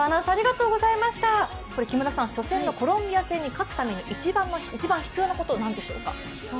初戦のコロンビア戦に勝つために一番必要なこと、何でしょうか。